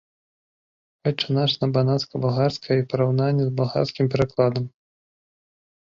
Ойча наш на банацка-балгарскай і параўнанне з балгарскім перакладам.